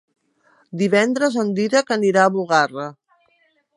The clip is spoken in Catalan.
Divendres en Dídac anirà a Bugarra.